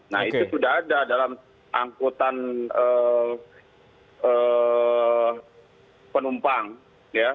nah itu sudah ada dalam angkutan penumpang ya